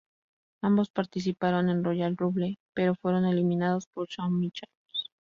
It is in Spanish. Ambos participaron en Royal Rumble pero fueron eliminados por Shawn Michaels.